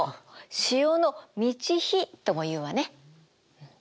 潮の満ち干とも言うわね。